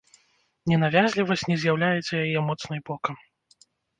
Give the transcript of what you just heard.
Ненавязлівасць не з'яўляецца яе моцнай бокам.